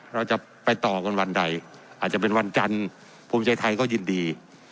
เราจะไปต่อกันวันใดอาจจะเป็นวันจันทร์ภูมิใจไทยก็ยินดี